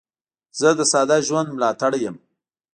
زه د ساده ژوند ملاتړی یم.